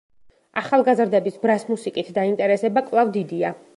ახალგაზრდების ბრას მუსიკით დაინტერესება კვლავ დიდია.